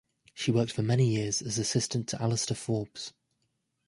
She worked for many years as assistant to Alastair Forbes.